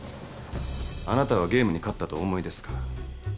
あなたはゲームに勝ったとお思いですか？